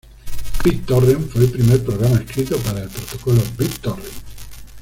BitTorrent fue el primer programa escrito para el protocolo BitTorrent.